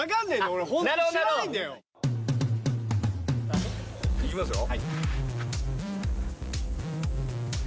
俺ホント知らないんだよいきますよ